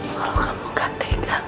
kalau kamu gak tegang